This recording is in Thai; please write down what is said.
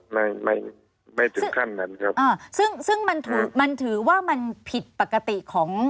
ไม่ไม่ถึงขั้นนั้นครับอ่าซึ่งซึ่งมันถูกมันถือว่ามันผิดปกติของ